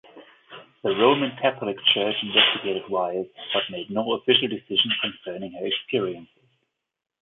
The Roman Catholic Church investigated Wise, but made no official decision concerning her experiences.